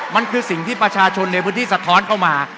มันคือสิ่งที่ประชาชนในพื้นที่สะท้อนเข้ามา